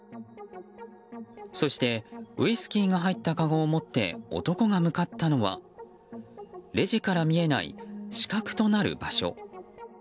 そして、ウイスキーが入ったかごを持って男が向かったのはレジから見えない死角となる場所。